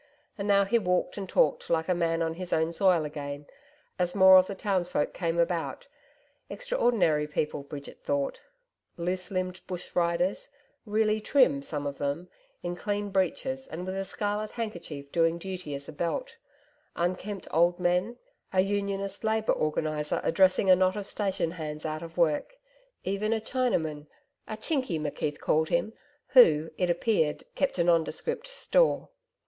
And now he walked and talked like a man on his own soil again, as more of the townsfolk came about extraordinary people, Bridget thought. Loose limbed bush riders, really trim, some of them, in clean breeches and with a scarlet handkerchief doing duty as a belt, unkempt old men, a Unionist Labour organiser addressing a knot of station hands out of work even a Chinaman a Chinky, McKeith called him, who, it appeared kept a nondescript store.